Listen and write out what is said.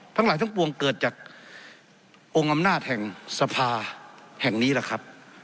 ทั้งหลายทั้งปวงเกิดจากองค์อำนาจแห่งสภาแห่งนี้แหละครับ